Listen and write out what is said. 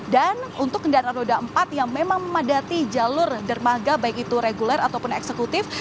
untuk kendaraan roda empat yang memang memadati jalur dermaga baik itu reguler ataupun eksekutif